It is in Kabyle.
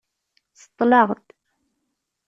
Seṭṭleɣ-d.